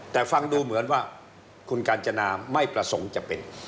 แต่ฟังดูเหมือนว่าคุณกาญจนาไม่ประสงค์จะเป็น